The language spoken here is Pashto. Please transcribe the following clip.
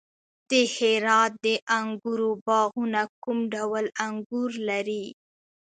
د هرات د انګورو باغونه کوم ډول انګور لري؟